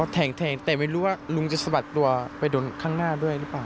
แทงแทงแต่ไม่รู้ว่าลุงจะสะบัดตัวไปโดนข้างหน้าด้วยหรือเปล่า